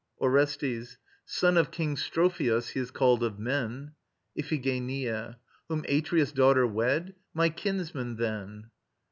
ORESTES. Son of King Strophios he is called of men. IPHIGENIA. Whom Atreus' daughter wed? My kinsman then.